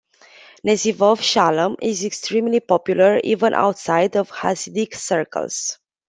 "Nesivos Shalom" is extremely popular even outside of Hasidic circles.